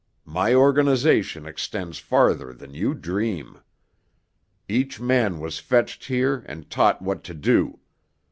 My organization extends farther than you dream. Each man was fetched here and taught what to do.